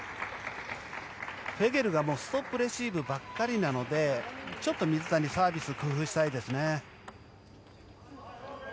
フェゲルがストップレシーブばかりなのでちょっと水谷サービス工夫したいですね。